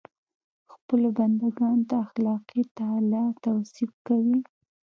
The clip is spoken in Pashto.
خپلو بنده ګانو ته اخلاقي تعالي توصیه کوي.